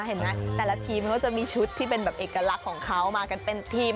เห็นไหมแต่ละทีมมันก็จะมีชุดที่เป็นแบบเอกลักษณ์ของเขามากันเป็นทีม